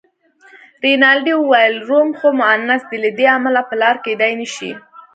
رینالډي وویل: روم خو مونث دی، له دې امله پلار کېدای نه شي.